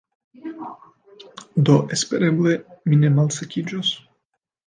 Do espereble mi ne malsekiĝos